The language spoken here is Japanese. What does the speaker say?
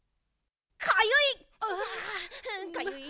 かゆい！